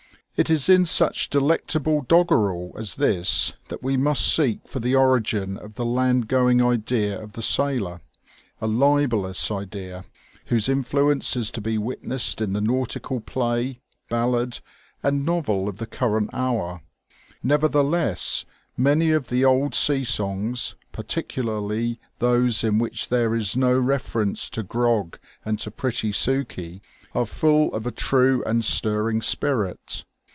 It is in such delectable doggerel as this that we must seek for the origin of the land going idea of the sailor, a libellous idea whose influence is to be witnessed in the nautical play, ballad, and novel of the current hour. Nevertheless, many of the old sea songs, particularly those in which there is no reference to grog and to pretty Sukey, are full of a true and stirring spirit.